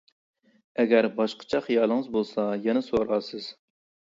ئەگەر باشقىچە خىيالىڭىز بولسا يەنە سورارسىز!